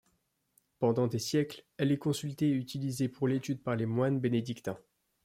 Pendant des siècles elle est consultée et utilisée pour l’étude par les moines bénédictins.